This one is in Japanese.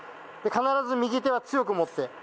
で必ず右手は強く持って。